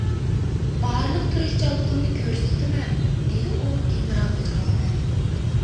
-بارلىق تىرىشچانلىقىمنى كۆرسىتىمەن — دېدى ئۇ گېنېرالغا جاۋابەن.